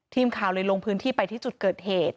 ทีมข่าวเลยลงพื้นที่ไปที่จุดเกิดเหตุ